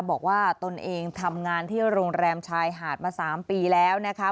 ตนเองทำงานที่โรงแรมชายหาดมา๓ปีแล้วนะคะ